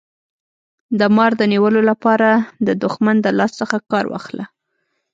د مار د نیولو لپاره د دښمن د لاس څخه کار واخله.